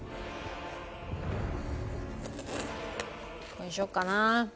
これにしようかな。